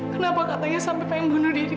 kenapa katanya sampai pengen bunuh diri